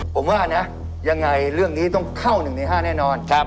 ผมว่านะยังไงเรื่องนี้ต้องเข้า๑ใน๕แน่นอน